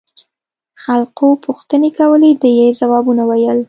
خلقو پوښتنې کولې ده يې ځوابونه ويل.